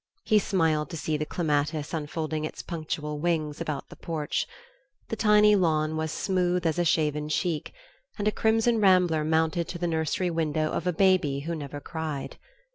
He smiled to see the clematis unfolding its punctual wings about the porch. The tiny lawn was smooth as a shaven cheek, and a crimson rambler mounted to the nursery window of a baby who never cried.